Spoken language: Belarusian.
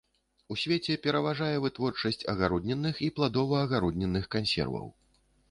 У свеце пераважае вытворчасць агароднінных і пладова-агароднінных кансерваў.